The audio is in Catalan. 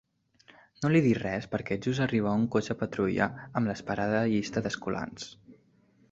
No li dic res perquè just arriba un cotxe patrulla amb l'esperada llista d'escolans.